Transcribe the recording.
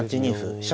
飛車